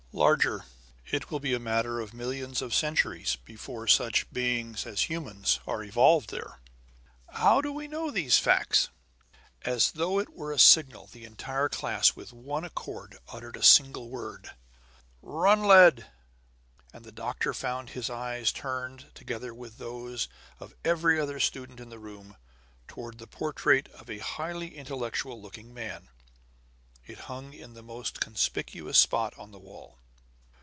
"Larger. It will be a matter of millions of centuries before such beings as humans are evolved there." "How do we know these facts?" As though it were a signal, the entire class, with one accord, uttered a single word: "Runled!" And the doctor found his agent's eyes turned, together with those of every other student in the room, toward the portrait of a highly intellectual looking man; it hung in the most conspicuous spot on the wall.